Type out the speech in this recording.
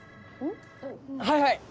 はいはい！